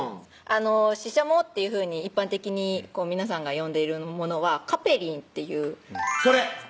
ししゃもっていうふうに一般的に皆さんが呼んでいるものはカペリンっていうそれ！